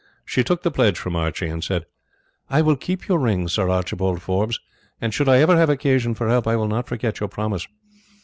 She took the pledge from Archie and said, "I will keep your ring, Sir Archibald Forbes; and should I ever have occasion for help I will not forget your promise.